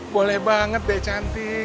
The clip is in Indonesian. boleh banget deh cantik